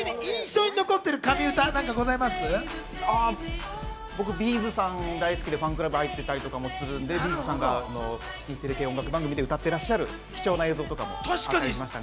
ちなみに印象に残っている神僕、Ｂ’ｚさん大好きで、ファンクラブ入ってたりとかするので、Ｂ’ｚさん、日テレ系音楽番組で歌ってらっしゃる貴重な映像とかもありました。